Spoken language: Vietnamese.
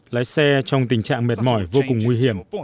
lái xe trong tình trạng mệt mỏi vô cùng nguy hiểm